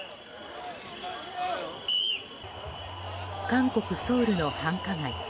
韓国ソウルの繁華街